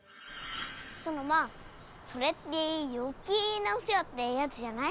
ソノマそれってよけいなおせわってやつじゃない？